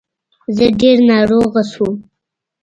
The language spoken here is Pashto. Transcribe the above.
زه ډير ناروغه شوم